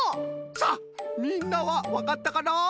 さあみんなはわかったかな？